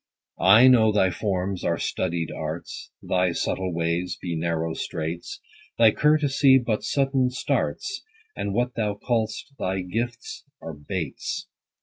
I know thy forms are studied arts, Thy subtle ways be narrow straits ; 10 Thy courtesy but sudden starts, And what thou call'st thy gifts are baits.